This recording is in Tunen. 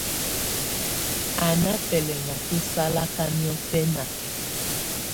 Á nà bɛlɛ̀na bɛ̀salakà niɔ̀fɛna.